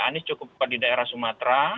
anies cukup kuat di daerah sumatera